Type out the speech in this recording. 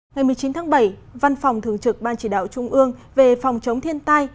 ngày một mươi chín tháng bảy văn phòng thường trực ban chỉ đạo trung ương về phòng chống thiên tai